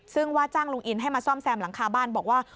ซึ่งว่าจ้างลุงอินให้มาซ่อมแซมหลังคาบ้านบอกว่า